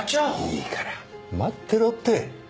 いいから待ってろって。